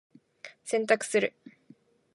洗濯する。